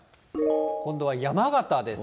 今度は山形です。